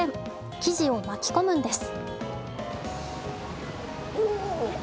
生地を巻き込むんです。